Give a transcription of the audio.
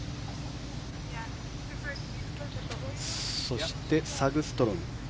そして、サグストロム。